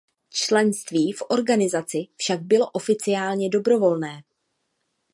Členství v organizaci však bylo oficiálně dobrovolné.